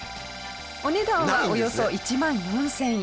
お値段はおよそ１万４０００円。